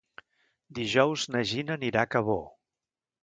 Dijous na Gina anirà a Cabó.